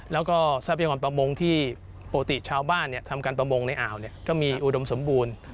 แล้วก็ทรัพยากรประมงที่ปกติชาวบ้านทำการประมงในอ่าวก็มีอุดมสมบูรณ์